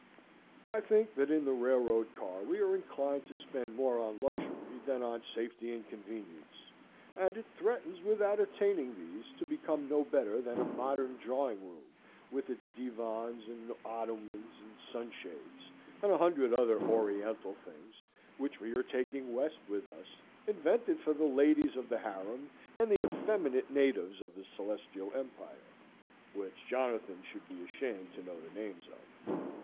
I think that in the railroad car we are inclined to spend more on luxury than on safety and convenience, and it threatens without attaining these to become no better than a modern drawing room, with its divans, and ottomans, and sun shades, and a hundred other oriental things, which we are taking west with us, invented for the ladies of the harem and the effeminate natives of the Celestial Empire, which Jonathan should be ashamed to know the names of.